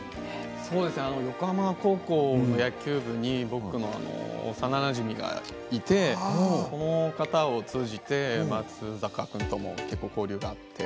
横浜高校野球部に僕の幼なじみがいてその方を通じて松坂君と結構、交流があって。